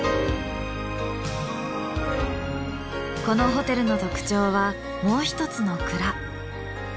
このホテルの特徴はもうひとつの蔵。